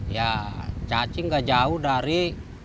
ya cacing gak jauh dari tujuh belas